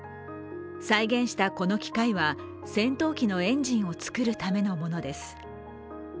再現したこの機械は戦闘機のエンジンを作るためのものです。